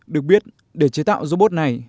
được biết để chế tạo robot này